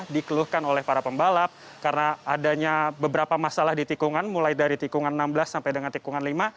dikeluhkan oleh para pembalap karena adanya beberapa masalah di tikungan mulai dari tikungan enam belas sampai dengan tikungan lima